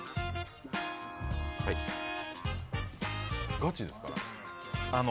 ガチですからね。